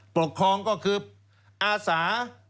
ปกครองก็คืออาสา